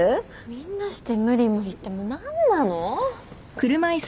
みんなして無理無理ってもう何なの！？